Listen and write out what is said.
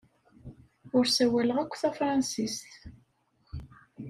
Ur ssawaleɣ akk tafṛensist.